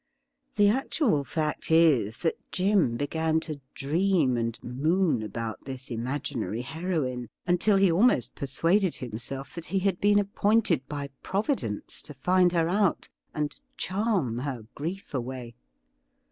The actual fact is that Jim began to dream and moon about this imaginary heroine until he almost persuaded himself that he had been appointed by Providence to find her out and charm her grief away.